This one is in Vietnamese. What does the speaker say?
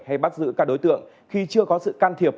hay bắt giữ các đối tượng khi chưa có sự can thiệp